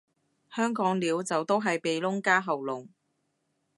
香港撩就都係鼻窿加喉嚨